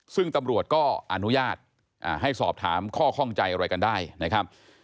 ซึ่งตำรวจก็อนุญาตให้สอบถามข้อข้องใจอะไรกันได้นะครับ